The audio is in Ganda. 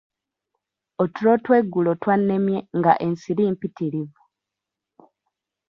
Otulo tw'eggulo twannemye nga ensiri mpitirivu.